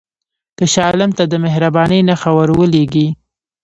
که شاه عالم ته د مهربانۍ نښه ورولېږې.